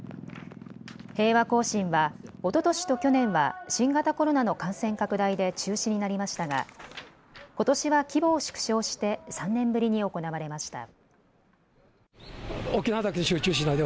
平和行進はおととしと去年は新型コロナの感染拡大で中止になりましたがことしは規模を縮小して３年ぶりに行われました。